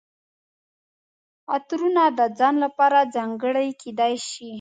عطرونه د ځان لپاره ځانګړي کیدای شي.